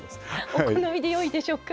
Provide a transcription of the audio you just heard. お好みでよいでしょうか。